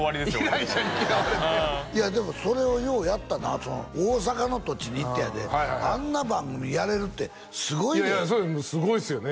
依頼者に嫌われていやでもそれをようやったな大阪の土地に行ってやであんな番組やれるってすごいでいやいやすごいっすよね